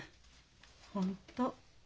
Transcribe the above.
本当。